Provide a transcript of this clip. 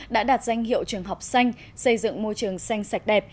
đã đạt danh hiệu trường học xanh xây dựng môi trường xanh sạch đẹp